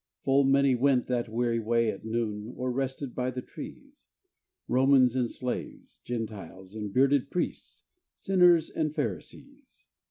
Full many went that weary way at noon, Or rested by the trees, Romans and slaves, Gentiles and bearded priests, Sinners and Pharisees.